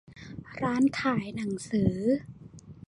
ร้านขายหนังสือ